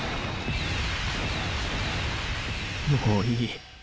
もういい。